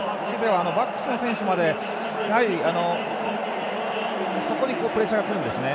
バックスの選手までそこにプレッシャーが来るんですね。